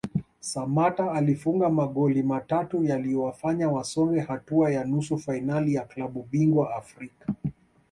Samatta alifunga magoli matatu yaliyowafanya wasonge hatua ya nusu fainali ya klabu bingwa Afrika